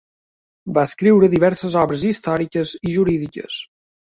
Va escriure diverses obres històriques i jurídiques.